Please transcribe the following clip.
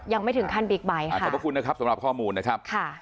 ยังไม่ถึงขั้นบิ๊กไบท์ค่ะขอบพระคุณนะครับสำหรับข้อมูลนะครับค่ะ